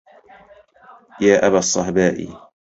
يَا أَبَا الصَّهْبَاءِ